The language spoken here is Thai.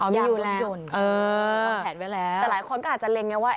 แต่หลายคนก็อาจจะเล็งไงว่า